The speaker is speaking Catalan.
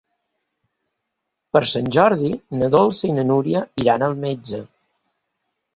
Per Sant Jordi na Dolça i na Núria iran al metge.